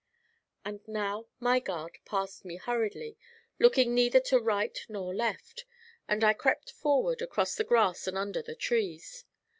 And now my guard passed me hurriedly, looking neither to right nor left, and I crept forward across the grass and under the trees.